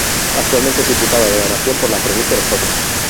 Actualmente es Diputada de la Nación por la provincia de Córdoba.